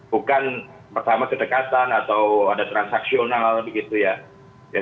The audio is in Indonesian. bukan pertama kedekatan atau ada transaksional begitu ya